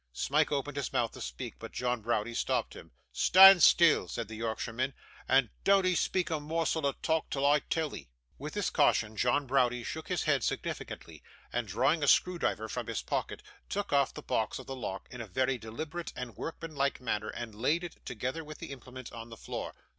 Smike opened his mouth to speak, but John Browdie stopped him. 'Stan' still,' said the Yorkshireman, 'and doant'ee speak a morsel o' talk till I tell'ee.' With this caution, John Browdie shook his head significantly, and drawing a screwdriver from his pocket, took off the box of the lock in a very deliberate and workmanlike manner, and laid it, together with the implement, on the floor.